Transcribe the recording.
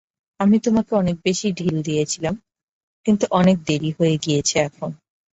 আমি তোমাকে অনেক বেশি ঢিল দিয়েছিলাম, কিন্তু অনেক দেরি হয়ে গেছে এখন।